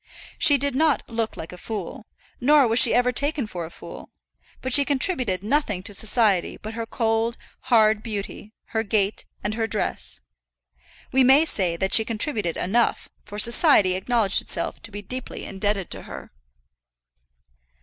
She did not look like a fool, nor was she even taken for a fool; but she contributed nothing to society but her cold, hard beauty, her gait, and her dress. We may say that she contributed enough, for society acknowledged itself to be deeply indebted to her.